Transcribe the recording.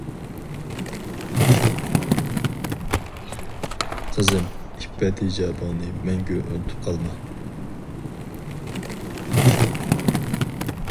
قىزىم، ئىپپەت ھىجابىڭنى مەڭگۈ ئۇنتۇپ قالما!